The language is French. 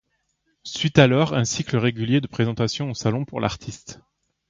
Suit alors un cycle régulier de présentation aux salons pour l'artiste.